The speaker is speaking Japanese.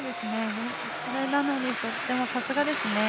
それなのに、でもさすがですね。